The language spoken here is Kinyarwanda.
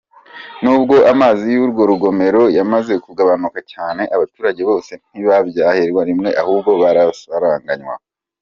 Nubwo amazi y’urwo rugomero yamaze kugabanuka cyane, abaturage bose ntibayaherwa rimwe ahubwo barayasaranganywa.